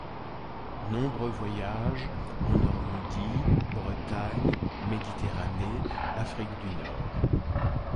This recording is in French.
Nombreux voyages en Normandie, Bretagne, Méditerranée, Afrique du Nord.